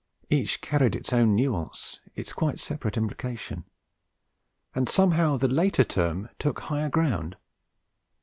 Each carried its own nuance, its quite separate implication, and somehow the later term took higher ground.